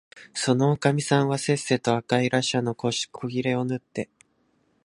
そのおかみさんはせっせと赤いらしゃの古切れをぬって、